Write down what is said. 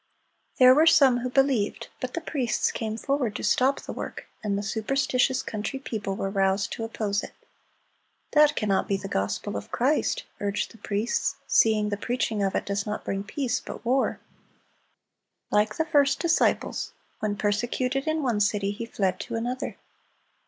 There were some who believed, but the priests came forward to stop the work, and the superstitious country people were roused to oppose it. "That cannot be the gospel of Christ," urged the priests, "seeing the preaching of it does not bring peace, but war."(345) Like the first disciples, when persecuted in one city he fled to another.